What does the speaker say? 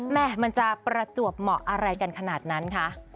แม่มันจะประจวบเหมาะอะไรกันขนาดนั้นคะ